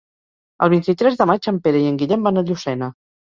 El vint-i-tres de maig en Pere i en Guillem van a Llucena.